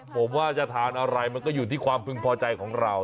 ผมว่าจะทานอะไรมันก็อยู่ที่ความพึงพอใจของเรา